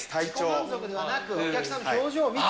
自己満足ではなく、お客さんの表情を見て。